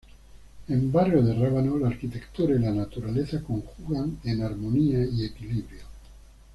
En Barrio de Rábano la arquitectura y la naturaleza conjugan en armonía y equilibrio.